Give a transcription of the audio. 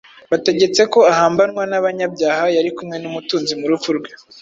Bategetse ko ahambanwa n’abanyabyaha, yari kumwe n’umutunzi mu rupfu rwe;